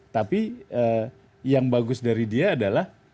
tapi yang bagus dari dia adalah